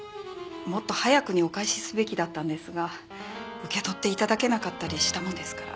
もっと早くにお返しすべきだったんですが受け取って頂けなかったりしたもんですから。